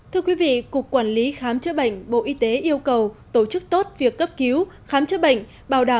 thưa quý vị cục quản lý khám chữa bệnh bộ y tế yêu cầu tổ chức tốt